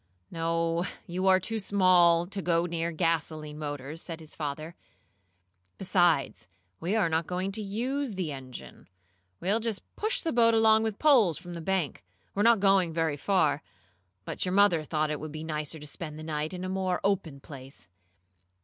"No, you are too small to go near gasoline motors," said his father. "Besides, we are not going to use the engine. We'll just push the boat along with poles from the bank. We're not going very far, but your mother thought it would be nicer to spend the night in a more open place."